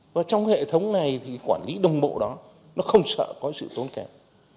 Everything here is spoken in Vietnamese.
và trong hệ thống này thì quản lý đồng bộ đó nó không sợ có sự tốn kém